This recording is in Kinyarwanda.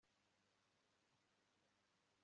abana n'imitwaro isigaye, ahantu hitwa i kariniyoni